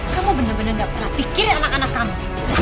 kamu benar benar gak pernah pikir anak anak kamu